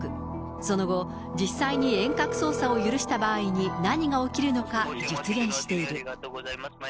その後、実際に遠隔操作を許した場合に何が起きるのか実演している。